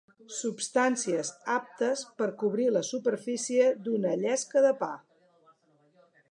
Substàncies aptes per cobrir la superfície d'una llesca de pa.